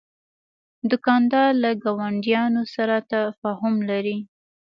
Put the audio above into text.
دوکاندار له ګاونډیانو سره تفاهم لري.